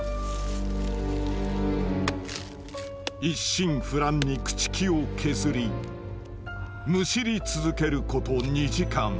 一心不乱に朽ち木を削りむしり続けること２時間。